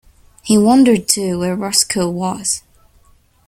He wondered, too, where Roscoe was.